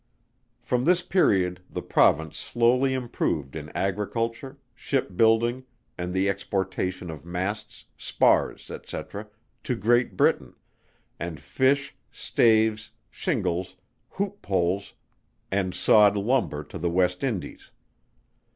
From this period the Province slowly improved in Agriculture, Ship Building, and the exportation of Masts, Spars, &c. to Great Britain, and Fish, Staves, Shingles, Hoop Poles, and sawed Lumber to the West Indies.